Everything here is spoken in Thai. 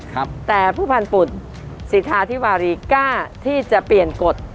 ครับแต่ผู้พันธุ่นสิทธาธิวารีกล้าที่จะเปลี่ยนกฎ